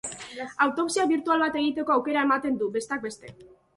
Autopsia birtual bat egiteko aukera ematen du, besteak beste.